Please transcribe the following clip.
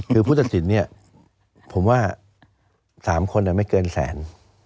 คือผู้ตัดสินเนี่ยผมว่า๓คนไม่เกินแสน